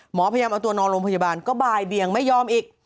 หมอพยายามเอาตัวนอนโรงพยาบาลก็บ่ายเบียงไม่ยอมอีก